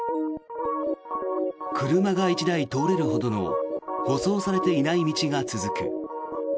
車が１台通れるほどの舗装されていない道が続く。